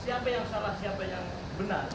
jadi siapa yang salah siapa yang benar